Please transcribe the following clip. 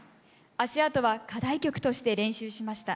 「足跡」は課題曲として練習しました。